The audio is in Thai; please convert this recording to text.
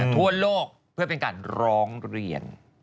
ทั่วโลกเพื่อเป็นการร้องเรียน